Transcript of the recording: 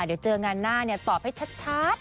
เดี๋ยวเจองานหน้าตอบให้ชัด